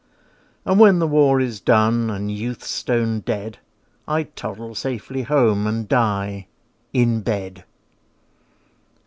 And when the war is done and youth stone dead, I'd toddle safely home and die in bed.